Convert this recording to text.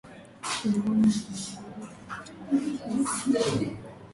kina mama waliyoathirika watawaambukiza watoto wao